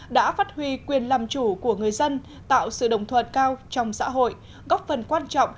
đã phát huy quyền làm chủ của người dân tạo sự đồng thuận cao trong xã hội góp phần quan trọng